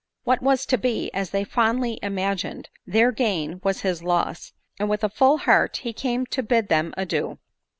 What was to be, as they fondly imagined, their gain, was his loss, and with a full heart he came to bid them adieu.